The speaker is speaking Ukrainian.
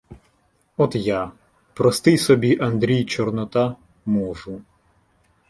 От я, простий собі Андрій Чорнота, можу